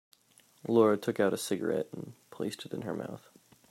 Laura took out a cigarette and placed it in her mouth.